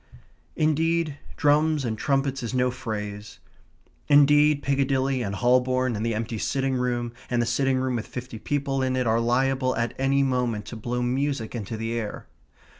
Indeed, drums and trumpets is no phrase. Indeed, Piccadilly and Holborn, and the empty sitting room and the sitting room with fifty people in it are liable at any moment to blow music into the air.